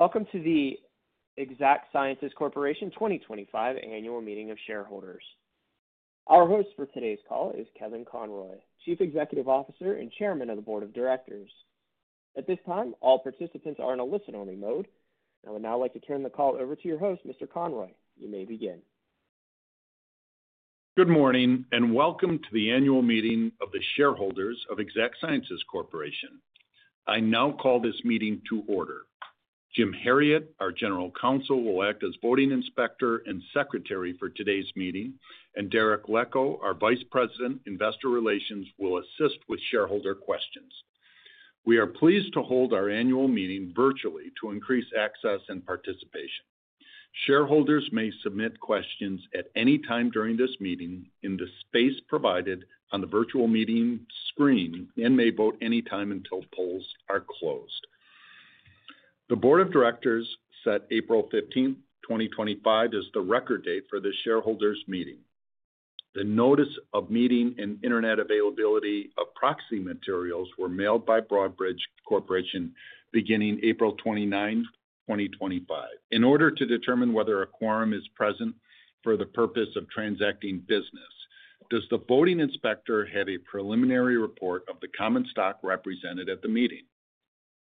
Welcome to the Exact Sciences Corporation 2025 Annual Meeting of Shareholders. Our host for today's call is Kevin Conroy, Chief Executive Officer and Chairman of the Board of Directors. At this time, all participants are in a listen-only mode. I would now like to turn the call over to your host, Mr. Conroy. You may begin. Good morning and welcome to the Annual Meeting of the Shareholders of Exact Sciences Corporation. I now call this meeting to order. Jim Herriott, our General Counsel, will act as Voting Inspector and Secretary for today's meeting, and Derek Leckow, our Vice President, Investor Relations, will assist with shareholder questions. We are pleased to hold our Annual Meeting virtually to increase access and participation. Shareholders may submit questions at any time during this meeting in the space provided on the virtual meeting screen and may vote any time until polls are closed. The Board of Directors set April 15th, 2025, as the record date for this shareholders' meeting. The notice of meeting and internet availability of proxy materials were mailed by Broadridge Corporation beginning April 29, 2025. In order to determine whether a quorum is present for the purpose of transacting business, does the voting inspector have a preliminary report of the common stock represented at the meeting?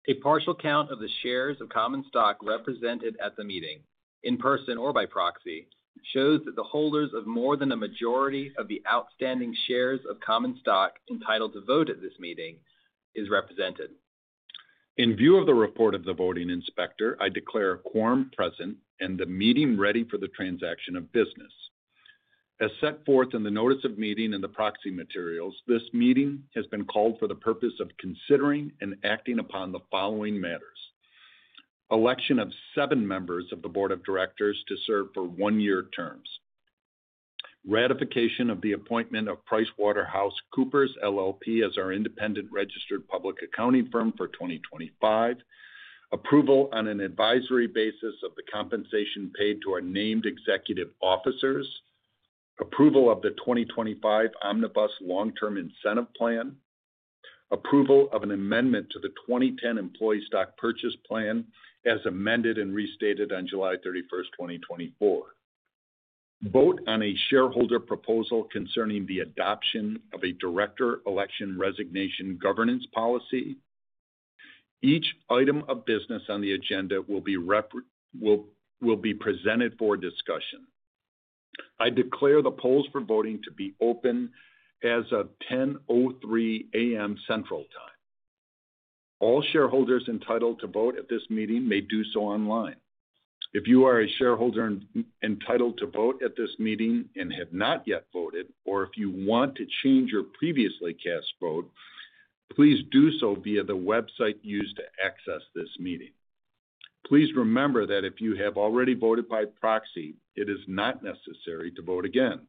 A partial count of the shares of common stock represented at the meeting, in person or by proxy, shows that the holders of more than a majority of the outstanding shares of common stock entitled to vote at this meeting are represented. In view of the report of the voting inspector, I declare a quorum present and the meeting ready for the transaction of business. As set forth in the notice of meeting and the proxy materials, this meeting has been called for the purpose of considering and acting upon the following matters: election of seven members of the Board of Directors to serve for one-year terms, ratification of the appointment of PricewaterhouseCoopers LLP as our independent registered public accounting firm for 2025, approval on an advisory basis of the compensation paid to our named executive officers, approval of the 2025 Omnibus Long-Term Incentive Plan, approval of an amendment to the 2010 Employee Stock Purchase Plan as amended and restated on July 31st, 2024, vote on a shareholder proposal concerning the adoption of a director election resignation governance policy. Each item of business on the agenda will be presented for discussion. I declare the polls for voting to be open as of 10:03 A.M. Central Time. All shareholders entitled to vote at this meeting may do so online. If you are a shareholder entitled to vote at this meeting and have not yet voted, or if you want to change your previously cast vote, please do so via the website used to access this meeting. Please remember that if you have already voted by proxy, it is not necessary to vote again.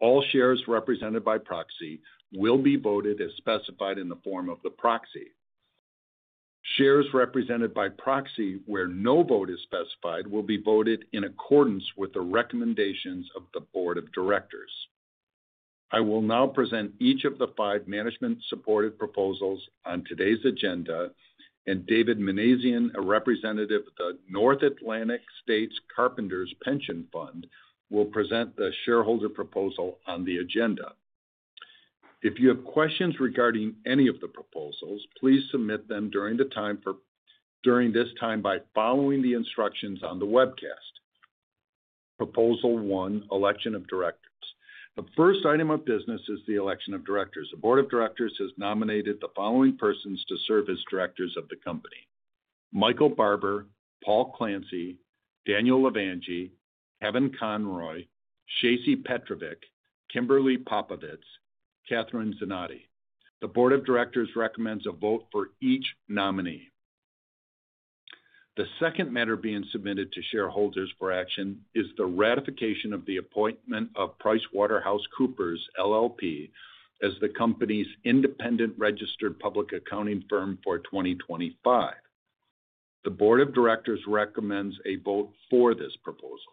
All shares represented by proxy will be voted as specified in the form of the proxy. Shares represented by proxy where no vote is specified will be voted in accordance with the recommendations of the Board of Directors. I will now present each of the five management-supported proposals on today's agenda, and David Minasian, a representative of the North Atlantic States Carpenters Pension Fund, will present the shareholder proposal on the agenda. If you have questions regarding any of the proposals, please submit them during this time by following the instructions on the webcast. Proposal One, Election of Directors. The first item of business is the election of directors. The Board of Directors has nominated the following persons to serve as directors of the company: Michael Barber, Paul Clancy, Daniel Levangie, Kevin Conroy, Chase Petrovic, Kimberly Popovits, and Katherine Zanotti. The Board of Directors recommends a vote for each nominee. The second matter being submitted to shareholders for action is the ratification of the appointment of PricewaterhouseCoopers LLP as the company's independent registered public accounting firm for 2025. The Board of Directors recommends a vote for this proposal.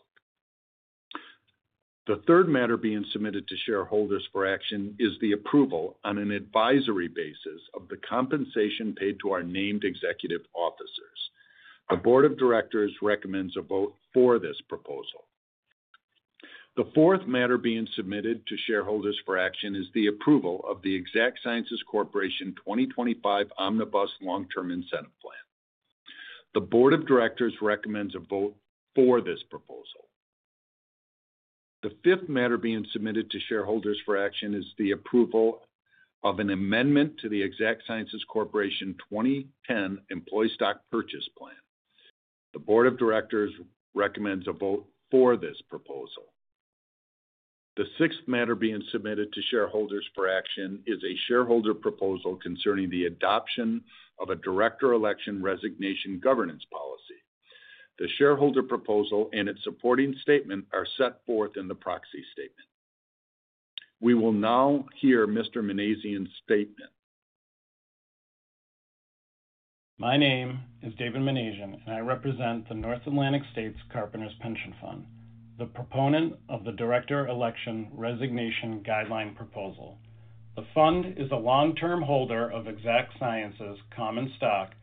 The third matter being submitted to shareholders for action is the approval on an advisory basis of the compensation paid to our named executive officers. The Board of Directors recommends a vote for this proposal. The fourth matter being submitted to shareholders for action is the approval of the Exact Sciences Corporation 2025 Omnibus Long-Term Incentive Plan. The Board of Directors recommends a vote for this proposal. The fifth matter being submitted to shareholders for action is the approval of an amendment to the Exact Sciences Corporation 2010 Employee Stock Purchase Plan. The Board of Directors recommends a vote for this proposal. The sixth matter being submitted to shareholders for action is a shareholder proposal concerning the adoption of a director election resignation governance policy. The shareholder proposal and its supporting statement are set forth in the proxy statement. We will now hear Mr. Minasian's statement. My name is David Minasian, and I represent the North Atlantic States Carpenters Pension Fund, the proponent of the director election resignation guideline proposal. The fund is a long-term holder of Exact Sciences' common stock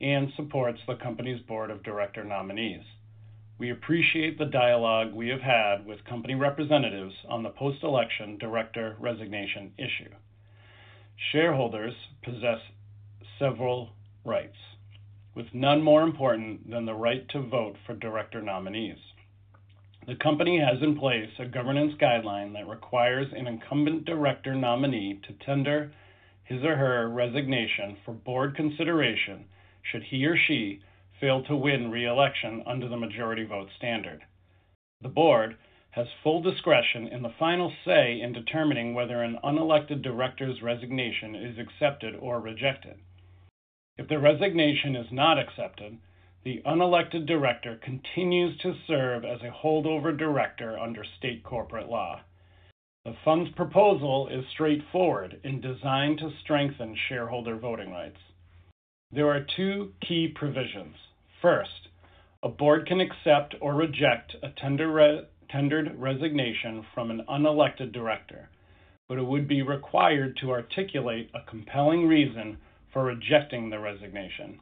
and supports the company's board of director nominees. We appreciate the dialogue we have had with company representatives on the post-election director resignation issue. Shareholders possess several rights, with none more important than the right to vote for director nominees. The company has in place a governance guideline that requires an incumbent director nominee to tender his or her resignation for board consideration should he or she fail to win reelection under the majority vote standard. The board has full discretion in the final say in determining whether an unelected director's resignation is accepted or rejected. If the resignation is not accepted, the unelected director continues to serve as a holdover director under state corporate law. The fund's proposal is straightforward and designed to strengthen shareholder voting rights. There are two key provisions. First, a board can accept or reject a tendered resignation from an unelected director, but it would be required to articulate a compelling reason for rejecting the resignation.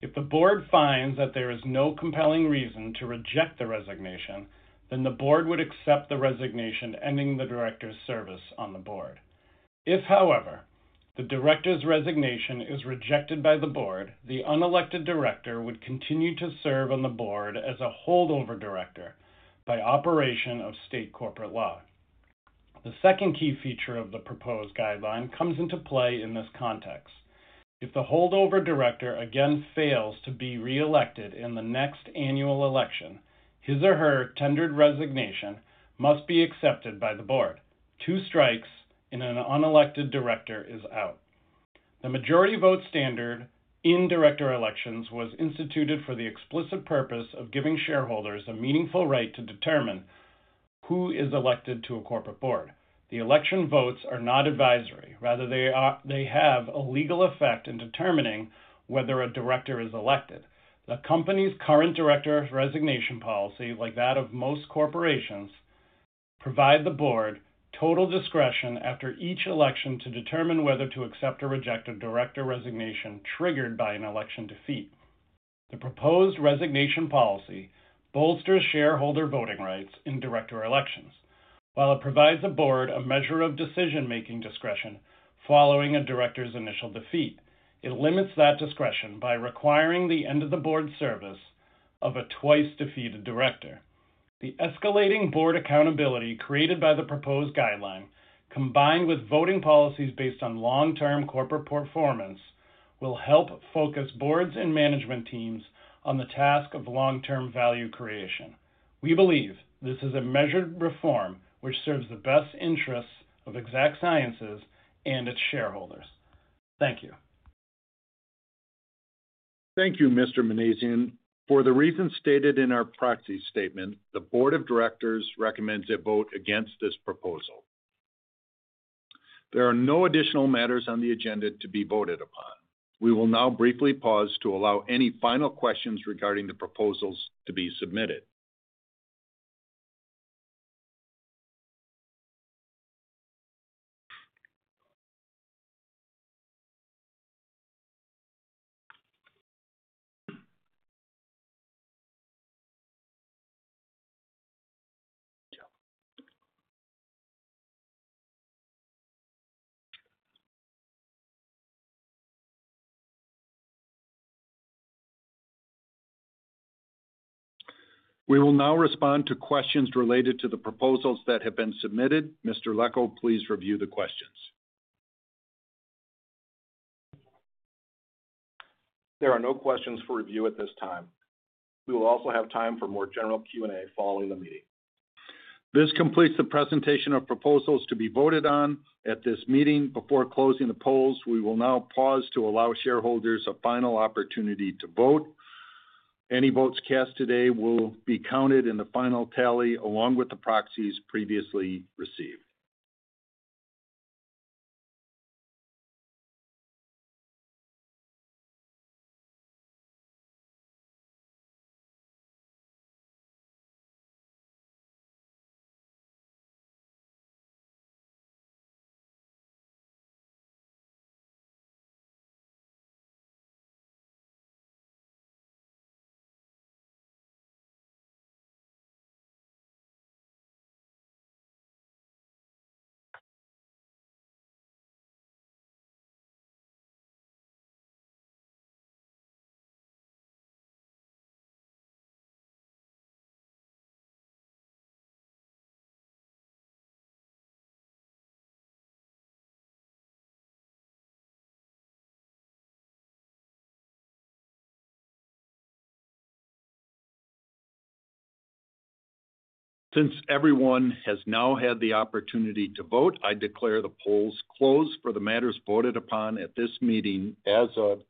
If the board finds that there is no compelling reason to reject the resignation, then the board would accept the resignation, ending the director's service on the board. If, however, the director's resignation is rejected by the board, the unelected director would continue to serve on the board as a holdover director by operation of state corporate law. The second key feature of the proposed guideline comes into play in this context. If the holdover director again fails to be reelected in the next annual election, his or her tendered resignation must be accepted by the board. Two strikes and an unelected director is out. The majority vote standard in director elections was instituted for the explicit purpose of giving shareholders a meaningful right to determine who is elected to a corporate board. The election votes are not advisory. Rather, they have a legal effect in determining whether a director is elected. The company's current director resignation policy, like that of most corporations, provides the board total discretion after each election to determine whether to accept or reject a director resignation triggered by an election defeat. The proposed resignation policy bolsters shareholder voting rights in director elections, while it provides the board a measure of decision-making discretion following a director's initial defeat. It limits that discretion by requiring the end of the board service of a twice-defeated director. The escalating board accountability created by the proposed guideline, combined with voting policies based on long-term corporate performance, will help focus boards and management teams on the task of long-term value creation. We believe this is a measured reform which serves the best interests of Exact Sciences and its shareholders. Thank you. Thank you, Mr. Minasian. For the reasons stated in our proxy statement, the Board of Directors recommends a vote against this proposal. There are no additional matters on the agenda to be voted upon. We will now briefly pause to allow any final questions regarding the proposals to be submitted. We will now respond to questions related to the proposals that have been submitted. Mr. Leckow, please review the questions. There are no questions for review at this time. We will also have time for more general Q&A following the meeting. This completes the presentation of proposals to be voted on at this meeting. Before closing the polls, we will now pause to allow shareholders a final opportunity to vote. Any votes cast today will be counted in the final tally along with the proxies previously received. Since everyone has now had the opportunity to vote, I declare the polls closed for the matters voted upon at this meeting as of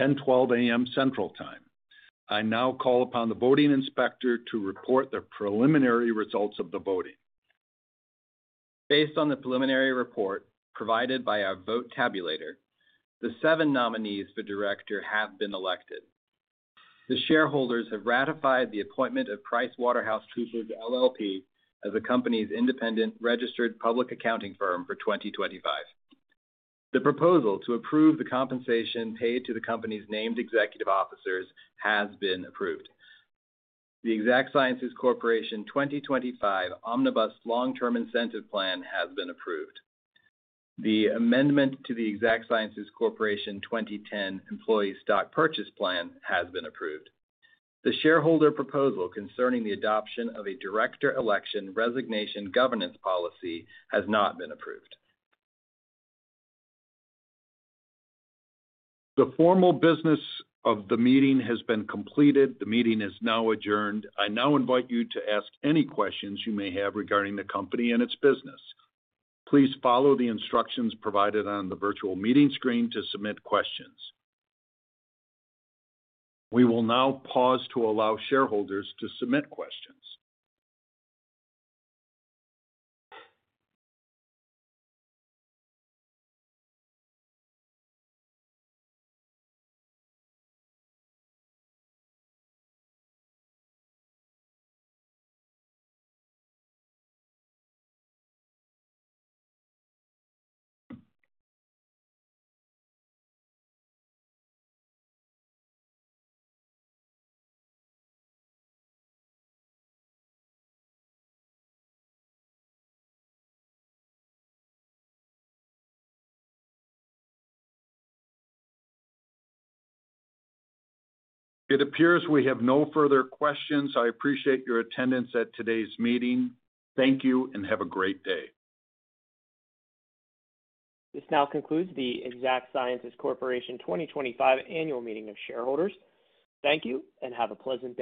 10:12 A.M. Central Time. I now call upon the voting inspector to report the preliminary results of the voting. Based on the preliminary report provided by our vote tabulator, the seven nominees for director have been elected. The shareholders have ratified the appointment of PricewaterhouseCoopers LLP as the company's independent registered public accounting firm for 2025. The proposal to approve the compensation paid to the company's named executive officers has been approved. The Exact Sciences Corporation 2025 Omnibus Long-Term Incentive Plan has been approved. The amendment to the Exact Sciences Corporation 2010 Employee Stock Purchase Plan has been approved. The shareholder proposal concerning the adoption of a director election resignation governance policy has not been approved. The formal business of the meeting has been completed. The meeting is now adjourned. I now invite you to ask any questions you may have regarding the company and its business. Please follow the instructions provided on the virtual meeting screen to submit questions. We will now pause to allow shareholders to submit questions. It appears we have no further questions. I appreciate your attendance at today's meeting. Thank you and have a great day. This now concludes the Exact Sciences Corporation 2025 annual meeting of shareholders. Thank you and have a pleasant.